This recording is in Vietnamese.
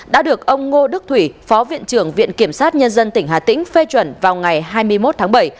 đã được ông ngô đức thủy phó viện trưởng viện kiểm sát nhân dân tỉnh hà tĩnh phê chuẩn vào ngày hai mươi một tháng bảy